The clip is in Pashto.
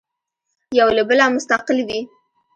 یو له بله مستقل وي.